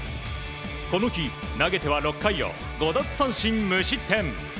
この日、投げては６回を５奪三振無失点。